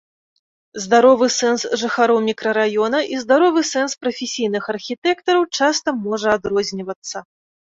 Здаровы сэнс жыхароў мікрараёна і здаровы сэнс прафесійных архітэктараў часта можа адрознівацца.